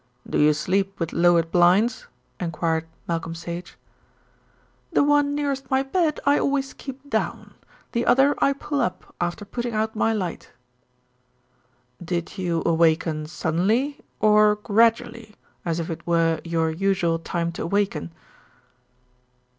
"Do you sleep with lowered blinds?" enquired Malcolm Sage. "The one nearest my bed I always keep down; the other I pull up after putting out my light." "Did you awaken suddenly, or gradually as if it were your usual time to awaken?"